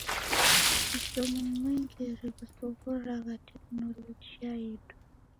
Kishomo ni mwengere ghuzoghoragha teknologia yedu.